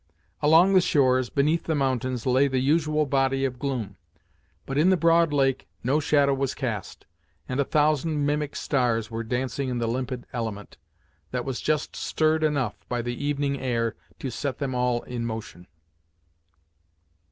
Along the shores, beneath the mountains, lay the usual body of gloom, but in the broad lake no shadow was cast, and a thousand mimic stars were dancing in the limpid element, that was just stirred enough by the evening air to set them all in motion.